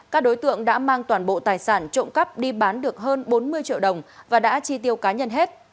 các đối tượng đã mang toàn bộ tài sản trộm cắp đi bán được hơn bốn mươi triệu đồng và đã chi tiêu cá nhân hết